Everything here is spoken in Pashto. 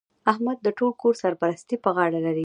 احمد د ټول کور سرپرستي پر غاړه لري.